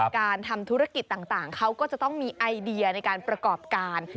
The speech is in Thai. การทำธุรกิจต่างเขาก็จะต้องมีไอเดียในการประกอบการ